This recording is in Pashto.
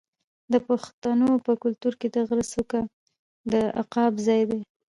د پښتنو په کلتور کې د غره څوکه د عقاب ځای دی.